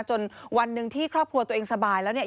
จนวันหนึ่งที่ครอบครัวตัวเองสบายแล้วเนี่ย